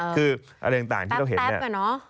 คืออะไรต่างที่เราเห็นแป๊บก่อน